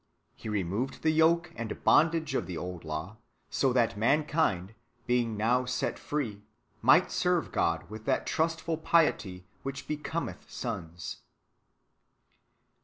He re moved the yoke and bondage of the old laiv, so that man Tcindy being noiv set free, anight serve God luith that trustful piety lohich becometh sons.